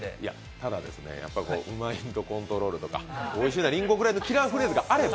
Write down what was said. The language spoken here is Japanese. ただ、うマインドコントロールとかおいしいな林檎ぐらいのキラーワードがあれば。